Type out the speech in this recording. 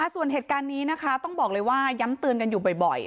ส่วนเหตุการณ์นี้นะคะต้องบอกเลยว่าย้ำเตือนกันอยู่บ่อย